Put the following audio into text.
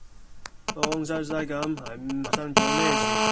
慌失失咁係唔係發生左咩事？